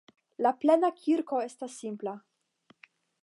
La plena kirko estas simpla.